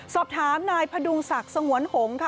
สอบถามนายพดุงศักดิ์สงวนหงษ์ค่ะ